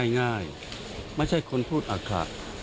ง่ายไม่ใช่คนพูดอักขะ